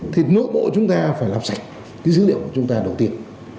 thì nội bộ chúng ta phải làm sạch cái dữ liệu của chúng ta đầu tiên